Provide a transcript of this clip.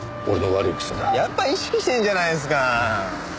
やっぱ意識してんじゃないですか。